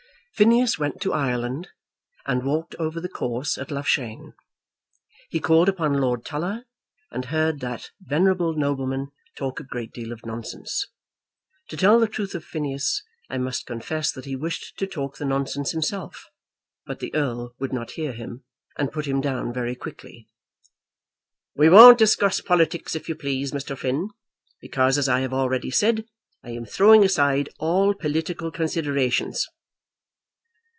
Phineas went to Ireland, and walked over the course at Loughshane. He called upon Lord Tulla, and heard that venerable nobleman talk a great deal of nonsense. To tell the truth of Phineas, I must confess that he wished to talk the nonsense himself; but the Earl would not hear him, and put him down very quickly. "We won't discuss politics, if you please, Mr. Finn; because, as I have already said, I am throwing aside all political considerations."